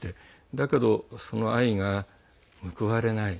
だけど、その愛が報われない。